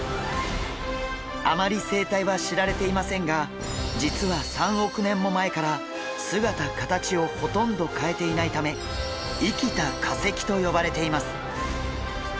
あまり生態は知られていませんが実は３億年も前から姿形をほとんど変えていないため生きた化石と呼ばれています。